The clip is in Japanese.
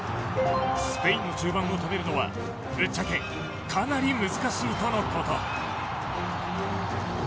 スペインの中盤を止めるのはぶっちゃけかなり難しいとのこと。